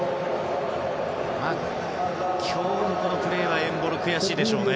今日のプレーはエンボロ、悔しいでしょうね。